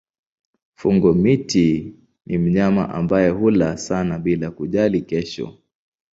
Fungo-miti ni mnyama ambaye hula sana bila kujali kesho.